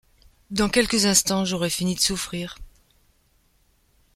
Dans quelques instants, j’aurai fini de souffrir !...